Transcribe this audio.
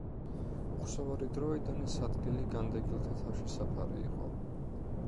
უხსოვარი დროიდან ეს ადგილი განდეგილთა თავშესაფარი იყო.